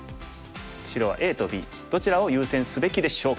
白はＡとＢどちらを優先すべきでしょうか。